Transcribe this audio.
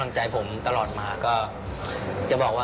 อ้าาไอสเจรู